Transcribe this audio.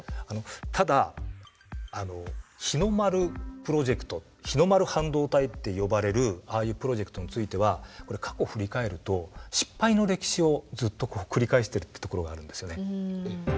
ただ日の丸プロジェクト日の丸半導体って呼ばれるああいうプロジェクトについては過去を振り返ると失敗の歴史をずっと繰り返してるってところがあるんですよね。